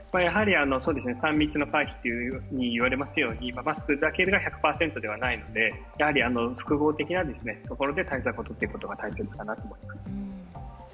３密の回避と言われますように、マスクだけが１００％ではないので、複合的なところで対策をとっていくことが大切かなと思います。